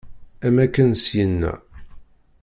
Am akken syinna.